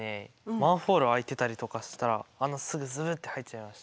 マンホール開いてたりとかしたら穴すぐズルッて入っちゃいます。